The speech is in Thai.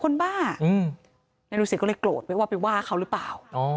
บ้านายดูสิตก็เลยโกรธไปว่าไปว่าเขาหรือเปล่า